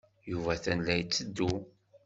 Yuba atan la yetteddu.